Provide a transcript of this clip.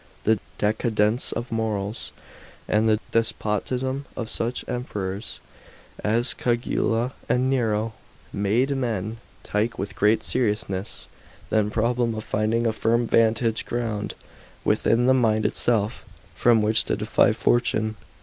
The decadence of morals, and the despotism of such Emperors as Caligula and Nero, made men tike with great seriousness thn problem of finding a firm vantage ground within the mind itself, from which to defy fortune.